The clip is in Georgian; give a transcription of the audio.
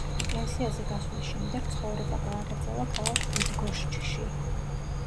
პენსიაზე გასვლის შემდეგ, ცხოვრება გააგრძელა ქალაქ ბიდგოშჩში.